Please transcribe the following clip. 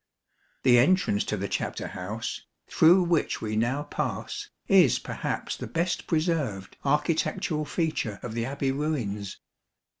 The entrance to the chapter house, through which we now pass, is perhaps the best preserved architectural feature of the Abbey ruins.